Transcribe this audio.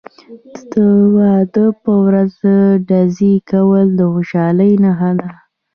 د واده په ورځ ډزې کول د خوشحالۍ نښه ده.